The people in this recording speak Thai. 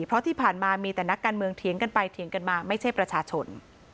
เพราะที่ผ่านมามีแต่นักการเมืองเถียงกันไปเถียงกันมาไม่ใช่ประชาชน